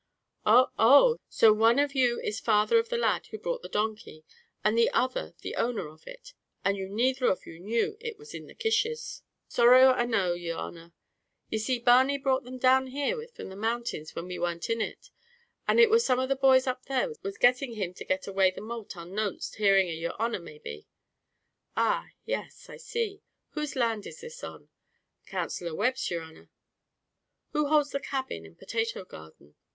"Oh, oh; so one of you is father of the lad who brought the donkey, and the other the owner of it; and you neither of you knew what was in the kishes." "Sorrow a know, yer honer; ye see Barney brought them down here from the mountains when we warn't in it; and it war some of the boys up there was getting him to get away the malt unknownst, hearing of yer honer, maybe." "Ah, yes I see whose land is this on?" "Counseller Webb's, yer honer." "Who holds the cabin and potato garden?"